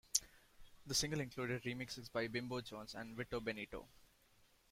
The single included remixes by Bimbo Jones and Vito Benito.